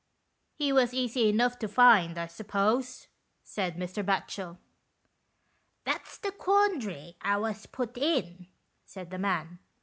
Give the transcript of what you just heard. "He was easy enough to find, I suppose?" said Mr. Batchel. " That's the quandary I was put in," said the man.